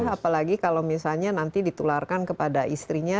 apalagi kalau misalnya nanti ditularkan kepada istrinya